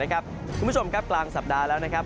คุณผู้ชมครับกลางสัปดาห์แล้วนะครับ